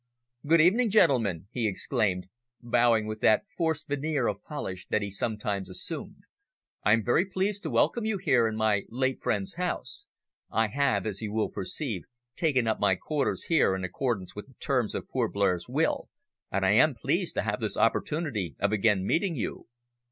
"Good evening, gentlemen," he exclaimed, bowing with that forced veneer of polish he sometimes assumed. "I am very pleased to welcome you here in my late friend's house. I have, as you will perceive, taken up my quarters here in accordance with the terms of poor Blair's will, and I am pleased to have this opportunity of again meeting you."